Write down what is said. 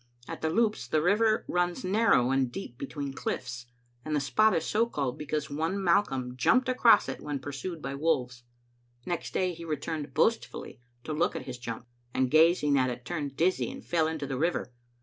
At the Loups the river runs narrow and deep between cliffs, and the spot is so called because one Malcolm jumped across it when pursued by wolves. Next day he returned boastfully to look at his jump, and gazing at it turned dizzy and fell into the river.